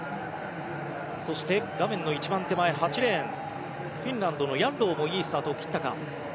そして、画面の一番手前８レーンフィンランドのヤッロウもいいスタートを切ったか。